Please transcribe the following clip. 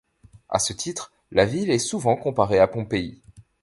À ce titre la ville est souvent comparée à Pompéi.